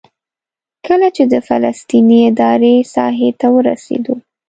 کله چې د فلسطیني ادارې ساحې ته ورسېدو.